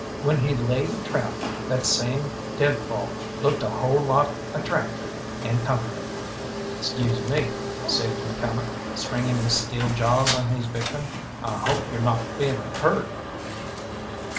When he laid a trap that same deadfall looked a whole lot attractive and comforting. "'Scuse me," says McCalmont, springing the steel jaws on his victim. I hope yo're not feeling hurt?"